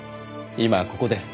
今ここで。